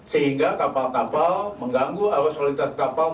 sehingga kapal kapal mengganggu arus lalu lintas kapal